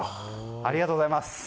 ありがとうございます。